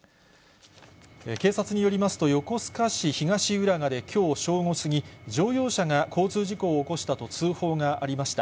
警察によりますと、横須賀市東浦賀できょう正午過ぎ、乗用車が交通事故を起こしたと通報がありました。